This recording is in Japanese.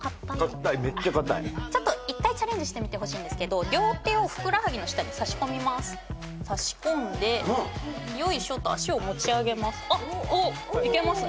硬いめっちゃ硬いちょっと１回チャレンジしてみてほしいんですけど両手をふくらはぎの下に差し込みます差し込んでよいしょと脚を持ち上げますあっおっいけます